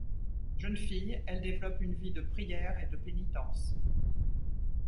Jeune fille, elle développe une vie de prière et de pénitence.